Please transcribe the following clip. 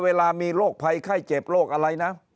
เวลามีโรคภัยไข้เจ็บโรคอะไรนะ